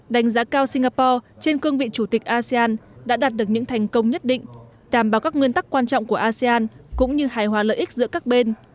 đánh giá cao singapore trên cương vị chủ tịch asean đã đạt được những thành công nhất định đảm bảo các nguyên tắc quan trọng của asean cũng như hài hòa lợi ích giữa các bên